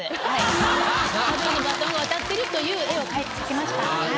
バブルのバトンが渡ってるという絵を描きました。